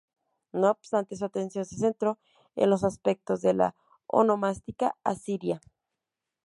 No obstante, su atención se centró en los aspectos de la onomástica asiria.